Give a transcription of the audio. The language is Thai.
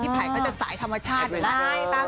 พี่ไผ่ก็จะสายธรรมชาติเลยนะ